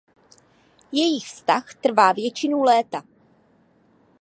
Jejich vztah trvá většinu léta.